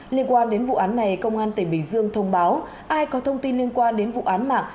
liên quan đến vụ án này công an tỉnh bình dương thông báo ai có thông tin liên quan đến vụ án mạng